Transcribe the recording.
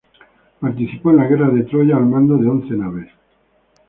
Participó en la guerra de Troya al mando de once naves.